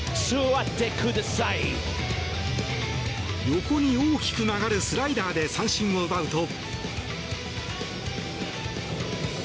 横に大きく曲がるスライダーで三振を奪うと。